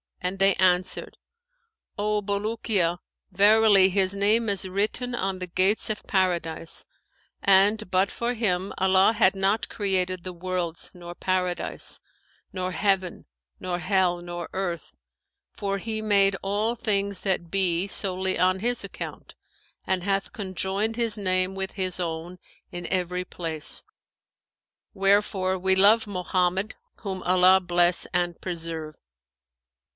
and they answered, 'O Bulukiya, verily his name is written on the gates of Paradise; and, but for him, Allah had not created the worlds[FN#516] nor Paradise, nor heaven nor hell nor earth, for He made all things that be, solely on his account, and hath conjoined his name with His own in every place; wherefore we love Mohammed, whom Allah bless and preserve!'